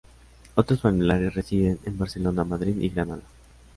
Otros familiares residen en Barcelona, Madrid y Granada.